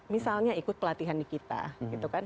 misalnya ikut pelatihan di kita gitu kan